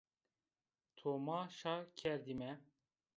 To ma şa kerdîme